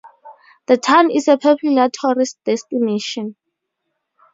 The town is a popular tourist destination.